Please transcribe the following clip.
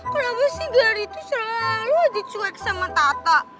kenapa sih gary tuh selalu dicuek sama tata